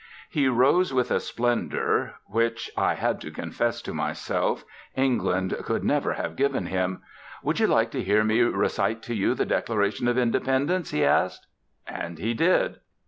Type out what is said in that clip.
He rose with a splendour which, I had to confess to myself, England could never have given to him. "Would you like to hear me re cite to you the Declaration of Independence?" he asked. And he did.